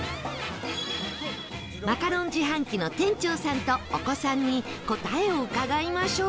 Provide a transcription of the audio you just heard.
マカロン自販機の店長さんとお子さんに答えを伺いましょう